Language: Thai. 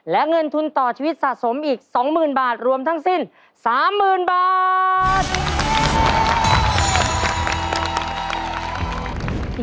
และเงินทุนต่อชีวิตสะสมอีก๒๐๐๐บาทรวมทั้งสิ้น๓๐๐๐บาท